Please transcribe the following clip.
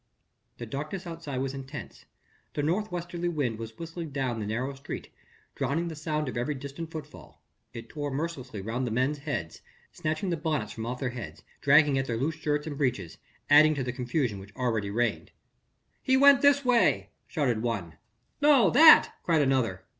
The darkness outside was intense. The north westerly wind was whistling down the narrow street, drowning the sound of every distant footfall: it tore mercilessly round the men's heads, snatching the bonnets from off their heads, dragging at their loose shirts and breeches, adding to the confusion which already reigned. "He went this way ..." shouted one. "No! that!" cried another.